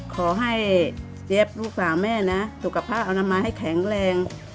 ขอให้เจ๊บลูกสาวแม่นะสุขภาพเอาน้ำมาให้แข็งแรง